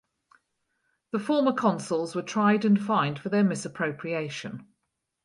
The former consuls were tried and fined for their misappropriation.